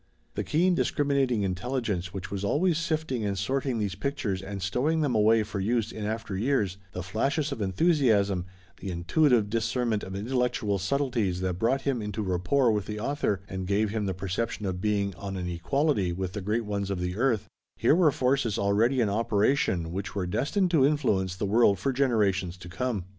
The keen discriminating intelligence which was always sifting and sorting these pictures and stowing them away for use in after years, the flashes of enthusiasm, the intuitive discernment of intellectual subtleties that brought him into rapport with the author and gave him the perception of being on an equality with the great ones of the earth, here were forces already in operation which were destined to influence the world for generations to come.